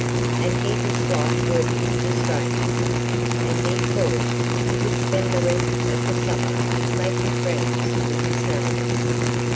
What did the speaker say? And he disliked working for strangers. And he thought he would spend the rest of the summer making friends with his neighbors.